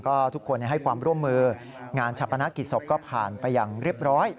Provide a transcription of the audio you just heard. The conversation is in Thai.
ก็ทุกคนให้ความร่วมมืองานชาปนกิจศพก็ผ่านไปอย่างเรียบร้อย